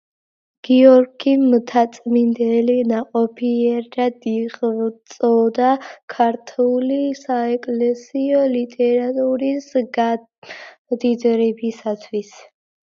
გიორგი მთაწმიდელი ნაყოფიერად იღვწოდა ქართული საეკლესიო ლიტერატურის გამდიდრებისათვის.